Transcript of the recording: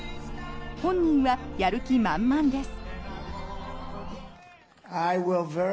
本人はやる気満々です。